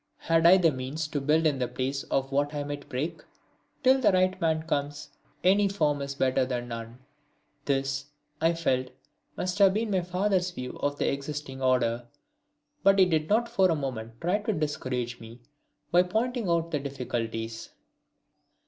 Had I the means to build in the place of what I might break? Till the right man comes any form is better than none this, I felt, must have been my father's view of the existing order. But he did not for a moment try to discourage me by pointing out the difficulties.